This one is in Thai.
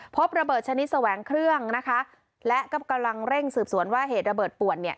พบระเบิดชนิดแสวงเครื่องนะคะและก็กำลังเร่งสืบสวนว่าเหตุระเบิดป่วนเนี่ย